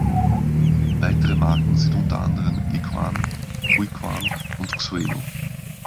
Weitere Marken sind u. a. Liquan, Huiquan und Xuelu.